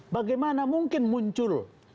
bagaimana mungkin muncul